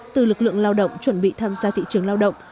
từ lực lượng lao động chuẩn bị tham gia thị trường lao động